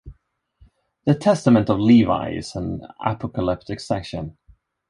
The "Testament of Levi" is an apocalyptic section.